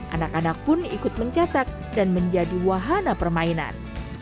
anak anak pun ikut mencetak dan menjadi wahana permainan